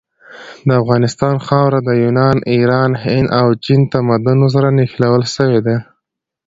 د افغانستان خاوره د یونان، ایران، هند او چین تمدنونو سره نښلول سوي ده.